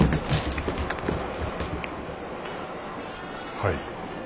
はい。